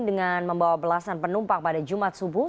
dengan membawa belasan penumpang pada jumat subuh